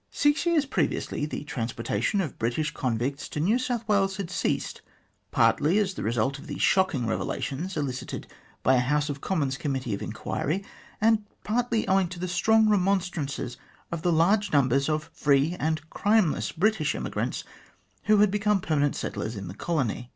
Six years previously the transportation of British convicts to New South Wales had ceased, partly as the result of the shocking revelations elicited by a House of Commons Committee of Enquiry, and partly owing to the strong remonstrances of the large numbers of free and crimeless British emigrants who had become permanent settlers in the Colony.